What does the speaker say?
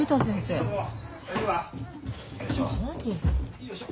よいしょ。